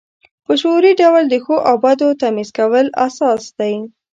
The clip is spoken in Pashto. په شعوري ډول د ښو او بدو تمیز کول اساس دی.